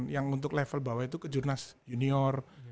yang untuk level bawah itu kejurnas junior